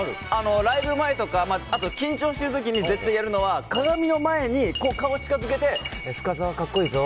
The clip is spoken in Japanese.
ライブ前とかあと緊張している時に絶対やるのは鏡の前に顔を近づけて深澤、格好いいぞ。